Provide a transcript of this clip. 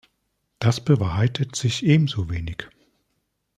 Das bewahrheitet sich ebenso wenig.